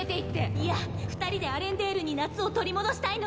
いや、２人でアレンデールに夏を取り戻したいの。